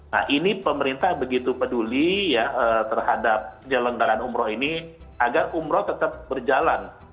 nah ini pemerintah begitu peduli ya terhadap penyelenggaraan umroh ini agar umroh tetap berjalan